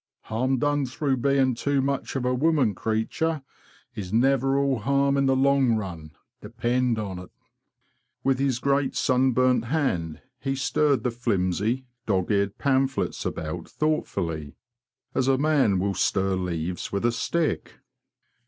Harm done through being too much of a woman creetur is never all harm in the long run, depend on't."' With his great sunburnt hand he stirred the flimsy, dog eared pamphlets about thoughtfully, as a man will stir leaves with a stick.